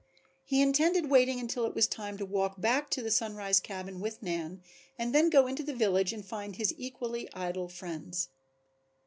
He intended waiting until it was time to walk back to the Sunrise cabin with Nan and then go into the village and find his equally idle friends.